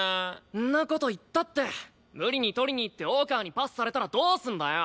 そんな事言ったって無理に取りにいって大川にパスされたらどうすんだよ！？